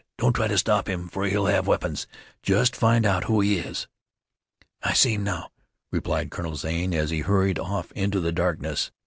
Don't try to stop him for he'll have weapons, just find out who he is." "I see him now," replied Colonel Zane, as he hurried off into the darkness.